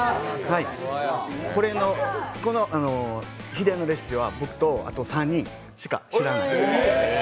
この秘伝のレシピは僕とあと３人しか知らないです。